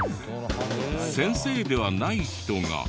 先生ではない人が。